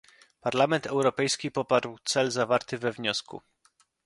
Parlament Europejski poparł cel zawarty we wniosku